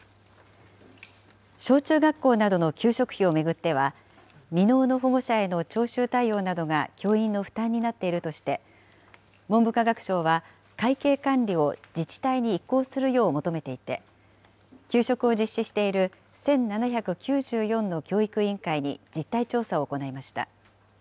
小中学校などの給食費を巡っては、未納の保護者への徴収対応などが教員の負担になっているとして、文部科学省は、会計管理を自治体に移行するよう求めていて、給食を実施している１７９４の教育委員会に実態調査を行いました。